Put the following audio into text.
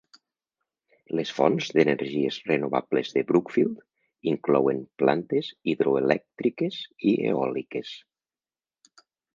Les fonts d'energies renovables de Brookfield inclouen plantes hidroelèctriques i eòliques.